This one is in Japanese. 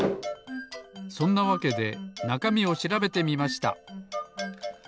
そんなわけでなかみをしらべてみました。